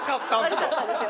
悪かったんですよ